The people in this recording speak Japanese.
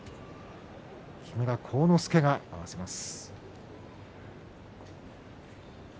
木村晃之助が合わせます。